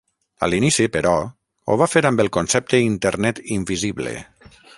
A l'inici, però, ho va fer amb el concepte Internet invisible.